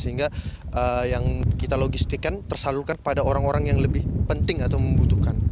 sehingga yang kita logistikkan tersalurkan pada orang orang yang lebih penting atau membutuhkan